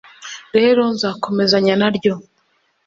rero nzakomezanya naryo